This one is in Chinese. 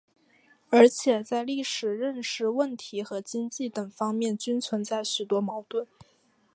而且在历史认识问题和经济等方面均存在许多矛盾。